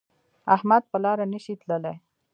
احمد په لاره نشي تللی.